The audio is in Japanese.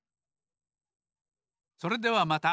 それではまた。